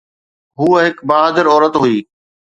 هوءَ هڪ بهادر عورت هئي.